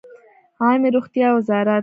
عامې روغتیا وزارت